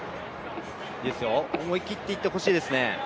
思いきっていってほしいですね。